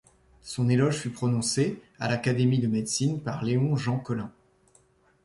Son éloge fut prononcée à l'Académie de Médecine par Léon Jean Colin.